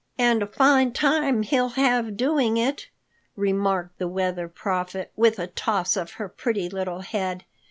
"And a fine time he'll have doing it," remarked the Weather Prophet with a toss of her pretty little head.